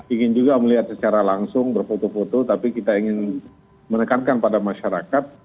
ingin juga melihat secara langsung berfoto foto tapi kita ingin menekankan pada masyarakat